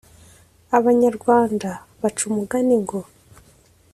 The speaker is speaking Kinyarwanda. Abanyarwanda baca umugani ngo